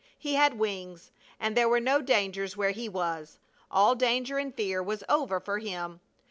He had wings, and there were no dangers where he was. All danger and fear was over for him.